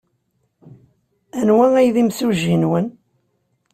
Anwa ay d imsujji-nwen?